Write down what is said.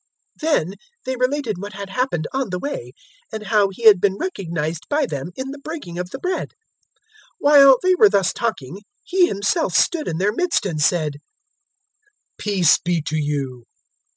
024:035 Then they related what had happened on the way, and how He had been recognized by them in the breaking of the bread. 024:036 While they were thus talking, He Himself stood in their midst and said, "Peace be to you!"